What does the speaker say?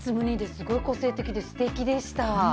すごい個性的でステキでした。